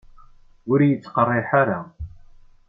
Ur yettqerriḥ ara.